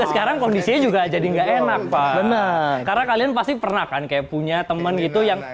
sekarang kondisi juga jadi enak karena kalian pasti pernah kan kayak punya temen itu yang